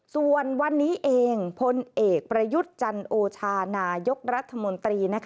ส่วนวันนี้เองพลเอกประยุทธ์จันโอชานายกรัฐมนตรี